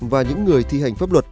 và những người thi hành pháp luật